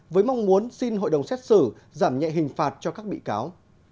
với mong muốn xin hội đồng xét xử giảm nhẹ hình phạt cho các bị cáo